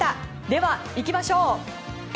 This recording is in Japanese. ではいきましょう！